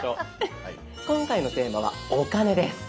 今回のテーマは「お金」です。